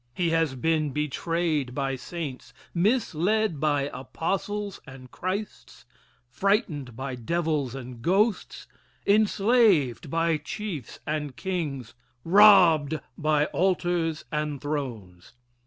He has been betrayed by saints, misled by apostles and Christs, frightened by devils and ghosts enslaved by chiefs and kings robbed by altars and thrones.